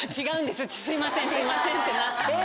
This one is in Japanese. すいませんってなって。